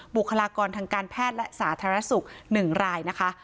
บุคลากรทางการแพทย์และสาธารณสุข๑รายนะคะ